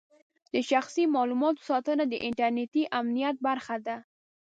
د شخصي معلوماتو ساتنه د انټرنېټي امنیت برخه ده.